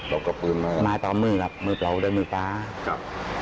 ขอบไว้ต่อภูมิค่ะมือเดี๋ยวมีป๊าครับ